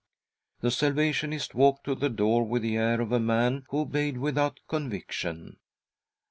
" The Salvationist walked to the door with the air of a man who obeyed without conviction.